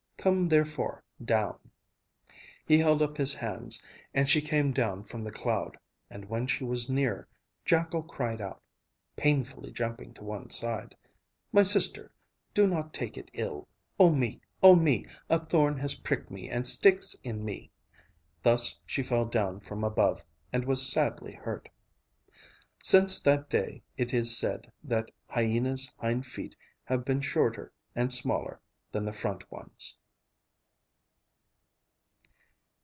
Come therefore down." He held up his hands, and she came down from the cloud, and when she was near, Jackal cried out (painfully jumping to one side), "My sister, do not take it ill. Oh me! Oh me! A thorn has pricked me and sticks in me." Thus she fell down from above, and was sadly hurt. Since that day, it is said that Hyena's hind feet have been shorter and smaller than the front ones.